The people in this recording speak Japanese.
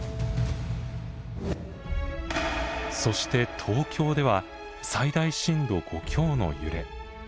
そして東京では最大震度５強の揺れ。